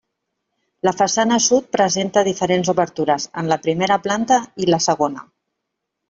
La façana sud presenta diferents obertures, en la primera planta i la segona.